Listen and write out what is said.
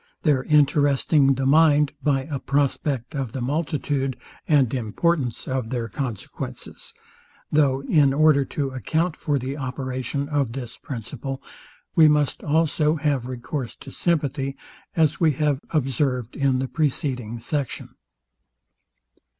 their interesting the mind by a prospect of the multitude, and importance of their consequences: Though, in order to account for the operation of this principle, we must also have recourse to sympathy; as we have observed in the preceding section.